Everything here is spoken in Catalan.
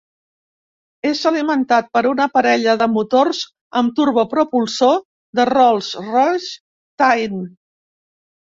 És alimentat per una parella de motors amb turbopropulsor de Rolls-Royce Tyne.